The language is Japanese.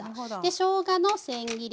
しょうがのせん切り。